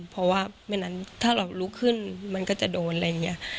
เพราะว่าไม่งั้นถ้าเราลุกขึ้นมันก็จะโดนอะไรอย่างนี้